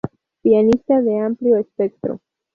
Pianista de amplio espectro.